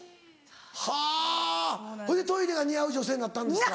はぁほいでトイレが似合う女性になったんですか？